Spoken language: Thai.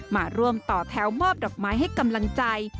มาร่วมต่อแถวมอบดอกไม้ให้กำลังใจ